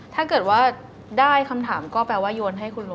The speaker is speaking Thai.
ถ้าเกิดว่าได้คำถามก็แปลว่าโยนให้คุณลุง